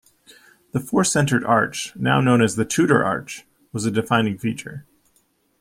The four-centered arch, now known as the Tudor arch, was a defining feature.